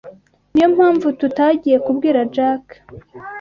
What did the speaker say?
Niyo mpamvu tutagiye kubwira Jack.